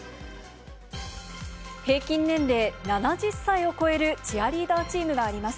平均年齢７０歳を超えるチアリーダーチームがあります。